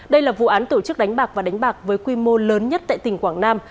đây là vụ án tổ chức đánh bạc và đánh bạc với quy mô lớn nhất tại tỉnh quảng nam